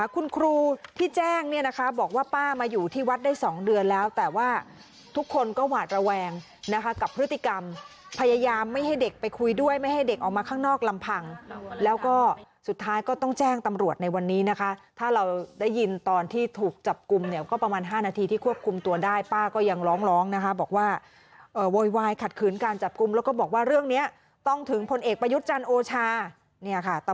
คุณครูที่แจ้งเนี่ยนะคะบอกว่าป้ามาอยู่ที่วัดได้๒เดือนแล้วแต่ว่าทุกคนก็หวาดระแวงนะคะกับพฤติกรรมพยายามไม่ให้เด็กไปคุยด้วยไม่ให้เด็กออกมาข้างนอกลำผังแล้วก็สุดท้ายก็ต้องแจ้งตำรวจในวันนี้นะคะถ้าเราได้ยินตอนที่ถูกจับกลุ่มเนี่ยก็ประมาณ๕นาทีที่ควบคุมตัวได้ป้าก็ยังร้องนะคะบอกว่าโวยวายขัดข